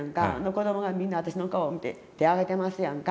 子どもがみんな私の顔を見て手を挙げてますやんか。